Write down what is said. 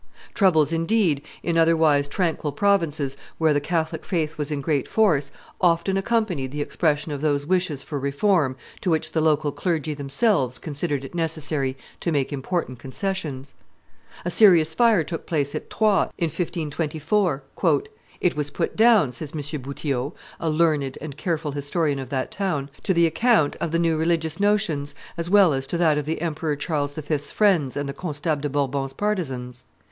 Troubles, indeed, in otherwise tranquil provinces, where the Catholic faith was in great force, often accompanied the expression of those wishes for reform to which the local clergy themselves considered it necessary to make important concessions. A serious fire took place at Troyes in 1524. "It was put down," says M. Boutiot, a learned and careful historian of that town, "to the account of the new religious notions, as well as to that of the Emperor Charles V.'s friends and the Constable de Bourbon's partisans.